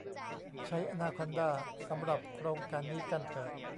ใช้อนาคอนดาสำหรับโครงการนี้กันเถอะ